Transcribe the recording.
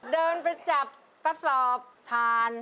เดินไปจับกระสอบทาน